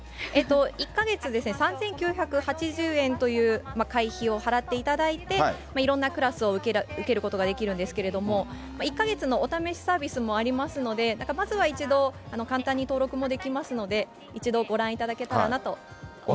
１か月３９８０円という会費を払っていただいて、いろんなクラスを受けることができるんですけれども、１か月のお試しサービスもありますので、まずは一度、簡単に登録もできますので、一度、ご覧いただけたらなと思います。